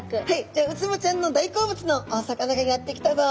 じゃあウツボちゃんの大好物のお魚がやって来たぞ。